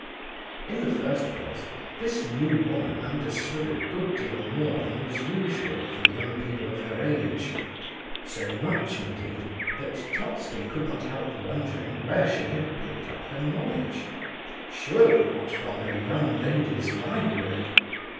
In the first place, this new woman understood a good deal more than was usual for young people of her age; so much indeed, that Totski could not help wondering where she had picked up her knowledge. Surely not from her "young lady's library"?